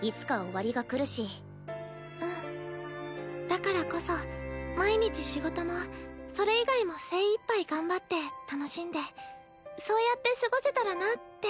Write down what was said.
だからこそ毎日仕事もそれ以外も精いっぱい頑張って楽しんでそうやって過ごせたらなって。